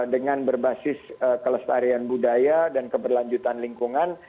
dengan berbasis kelestarian budaya dan keberlanjutan lingkungan